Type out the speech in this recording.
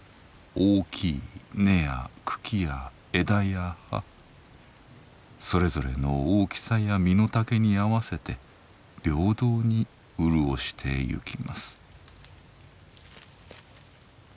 大きい根や茎や枝や葉それぞれの大きさや身の丈に合わせて平等に潤してゆきます。